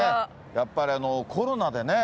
やっぱりコロナでね